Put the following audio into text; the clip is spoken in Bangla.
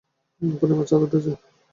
পূর্ণিমার চাঁদ উঠেছে।